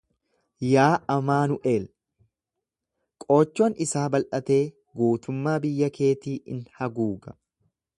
Yaa Amaanu'el, qoochoon isaa bal'atee guutummaa biyya keetii in haguuga.